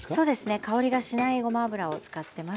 香りがしないごま油を使ってます。